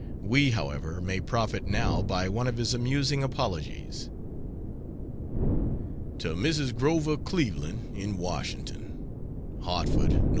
We, however, may profit now by one of his amusing apologies. To Mrs. Grover Cleveland, in Washington: HARTFORD, Nov.